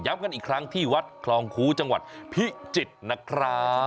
กันอีกครั้งที่วัดคลองคูจังหวัดพิจิตรนะครับ